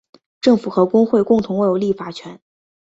政府和国会共同握有立法权。